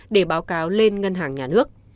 để báo cáo lên ngân hàng nhà nước